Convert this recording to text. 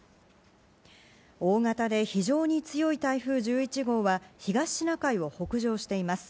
大型で非常に強い台風１１号は、東シナ海を北上しています。